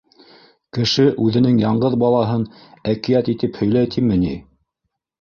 Кеше үҙенең яңғыҙ балаһын әкиәт итеп һөйләй тиме ни?